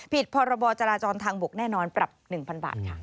ผิดพรจราจรทางบุกแน่นอนปรับ๑๐๐๐บาท